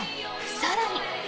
更に。